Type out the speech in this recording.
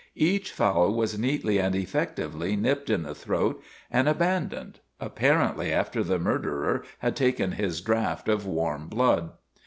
Each fowl was neatly and effectively nipped in the throat and abandoned, apparently after the murderer had taken his draft of warm blood.